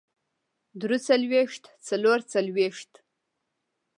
درې څلوېښت څلور څلوېښت